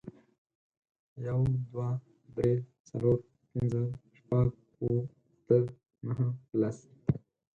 یو، دوه، درې، څلور، پنځه، شپږ، اوه، اته، نهه، لس.